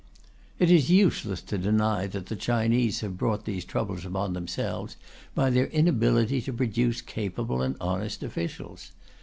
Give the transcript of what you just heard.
It is useless to deny that the Chinese have brought these troubles upon themselves, by their inability to produce capable and honest officials.